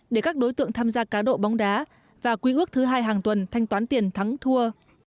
để các đối tượng tham gia cá độ bóng đá và quy ước thứ hai hàng tuần thanh toán tiền thắng thua